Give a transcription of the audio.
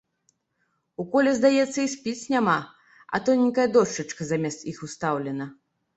У коле здаецца й спіц няма, а тоненькая дошчачка замест іх устаўлена.